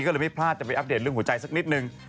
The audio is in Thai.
ก็เลยไม่พลาดจะไปอัปเดตเรื่องหัวใจสักนิดนึง